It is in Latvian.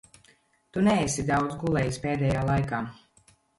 Tu neesi daudz gulējis pēdējā laikā.